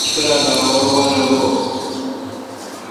مہ پانچ پرا°لاہور وہ نہ گوئ۔